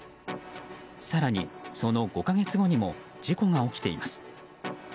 更にその５か月後にも事故が起きています。